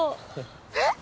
えっ！